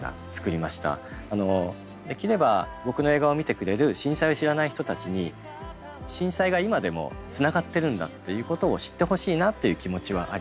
できれば僕の映画を見てくれる震災を知らない人たちに震災が今でもつながってるんだっていうことを知ってほしいなっていう気持ちはありました。